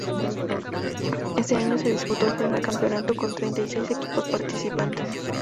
Ese año se disputó el primer campeonato, con treinta y seis equipos participantes.